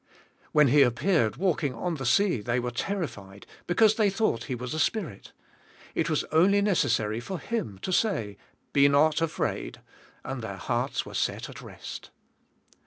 When He appeared walking on the sea they were lis ^HE) SPIRITUAI. life!. terrified, because thej thoug ht He was a spirit. It was only necessary for Him to say, "Be not afraid," and their hearts were set at rest.